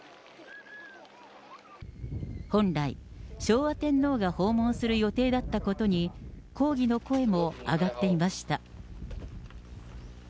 本来、昭和天皇が訪問される予定だったことに、抗議の声も上がっていました。